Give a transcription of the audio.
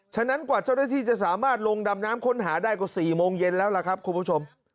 ฉะนั้นกว่าเจ้าหน้าที่จะสามารถลงดำน้ำค้นหาได้กว่า๔โมงเย็นแล้วล่ะครับคุณผู้ชม